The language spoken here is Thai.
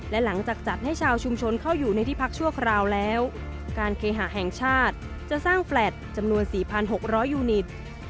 และหลังจากจัดให้ชาวชุมชนเข้าอยู่ในที่พักชั่วคราวแล้วการเคหะแห่งชาติจะสร้างแฟลต์จำนวน๔๖๐๐ยูนิต